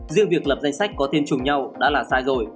riêng việc lập danh sách có thêm chùm nhau đã là sai rồi